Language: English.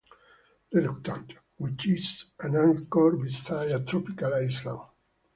"Reluctant", which is at anchor beside a tropical island.